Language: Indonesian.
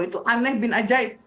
itu aneh bin ajaib